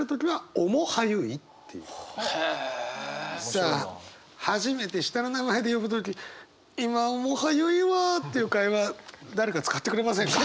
さあ初めて下の名前で呼ぶ時今面映いわっていう会話誰か使ってくれませんか？